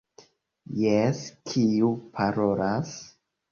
Jes, kiu parolas?